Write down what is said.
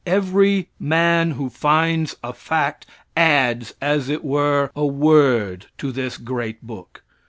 Every man who finds a fact, adds, as it were, a word to this great book.